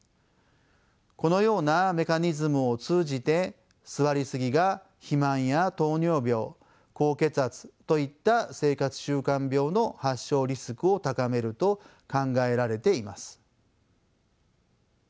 このようなメカニズムを通じて座りすぎが肥満や糖尿病高血圧といった生活習慣病の発症リスクを高めると考えられています。